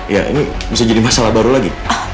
ya ini bisa jadi masalah baru lagi